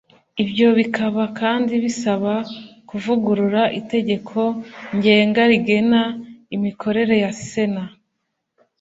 Ibyo bikaba kandi bisaba kuvugurura Itegeko Ngenga rigena imikorere ya Sena